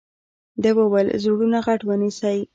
ده وويل زړونه غټ ونيسئ.